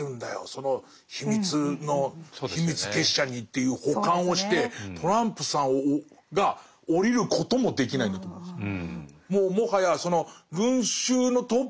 その秘密結社に」っていう補完をしてトランプさんが降りることもできないんだと思うんですよ。